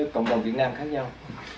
cộng đồng việt nam khác nhau